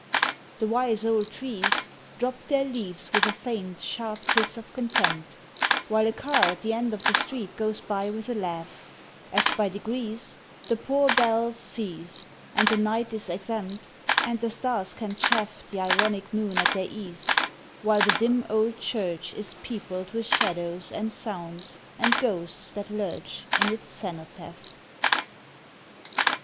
The wise old trees Drop their leaves with a faint, sharp hiss of contempt, While a car at the end of the street goes by with a laugh; As by degrees The poor bells cease, and the Night is exempt, And the stars can chaff The ironic moon at their ease, while the dim old church Is peopled with shadows and sounds and ghosts that lurch In its cenotaph.